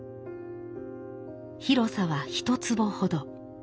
広さは１坪ほど。